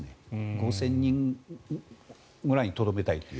５０００人くらいにとどめたいという。